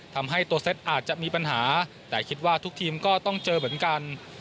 ทำให้ตัวเซตอาจจะมีปัญหาแต่คิดว่าทุกทีมก็ต้องเจอเหมือนกัน